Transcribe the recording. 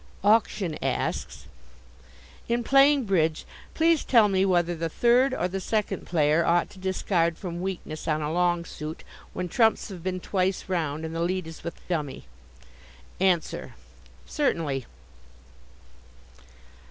Auction asks: In playing bridge please tell me whether the third or the second player ought to discard from weakness on a long suit when trumps have been twice round and the lead is with dummy. Answer: Certainly.